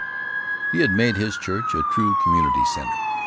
He had made his church a true community center.